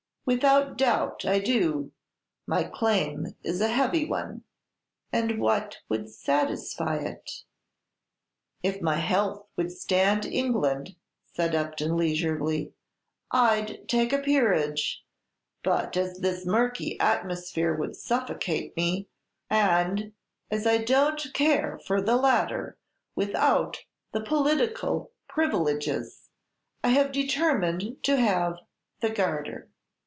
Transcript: "Without doubt, I do; my claim is a heavy one." "And what would satisfy it?" "If my health would stand England," said Upton, leisurely, "I'd take a peerage; but as this murky atmosphere would suffocate me, and as I don't care for the latter without the political privileges, I have determined to have the 'Garter.'"